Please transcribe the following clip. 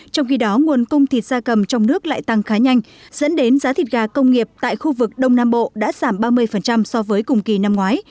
trong khi đó nguồn cung thịt gia cầm trong nước lại tăng khá nhanh dẫn đến giá thịt gà công nghiệp tại khu vực đông nam bộ đã giảm ba mươi so với cùng kỳ năm ngoái